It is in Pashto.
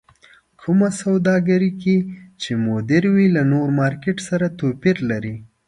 کومه سوداګرۍ کې چې مدير وي له نور مارکېټ سره توپير لري.